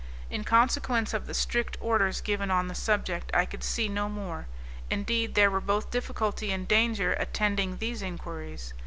In consequence of the strict orders given on the subject I could see no more; indeed there were both difficulty and danger attending these inquiries.